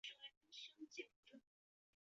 本鱼分布于西南大西洋区的巴西海域。